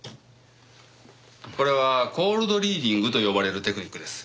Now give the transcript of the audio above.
これはコールドリーディングと呼ばれるテクニックです。